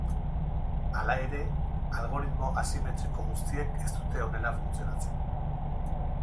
Hala ere, algoritmo asimetriko guztiek ez dute honela funtzionatzen.